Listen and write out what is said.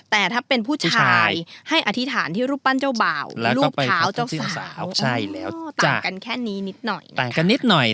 แต่ถ้าเป็นผู้ชายให้อธิษฐานที่รูปปั้นเจ้าบ่าวรูปเท้าเจ้าสาวต่างกันแค่นี้นิดหน่อยต่างกันนิดหน่อย